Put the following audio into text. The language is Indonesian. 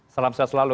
salam sejahtera selalu